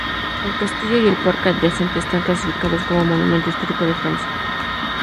El castillo y el parque adyacente están clasificados como monumento histórico de Francia.